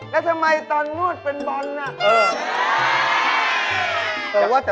แล้วทำไมตอนนวดเป็นบอลน่ะ